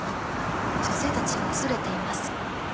女性たちは恐れています。